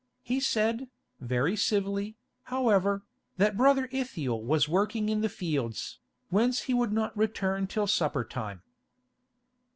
He said, very civilly, however, that Brother Ithiel was working in the fields, whence he would not return till supper time.